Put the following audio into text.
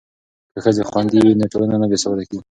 که ښځې خوندي وي نو ټولنه نه بې ثباته کیږي.